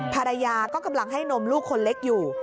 ภรรยาก็กำลังให้นมลูกคนเล็กอยู่